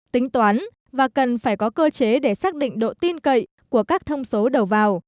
tính toán và cần phải có cơ chế để xác định độ tin cậy của các thông số đầu vào